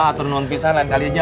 atur nunun pisah lain kali aja